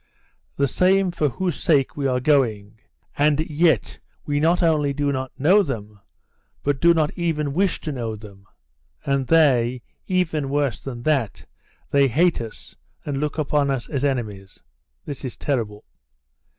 The same for whose sake we are going, and yet we not only do not know them, but do not even wish to know them. And they, even worse than that, they hate us and look upon us as enemies. This is terrible."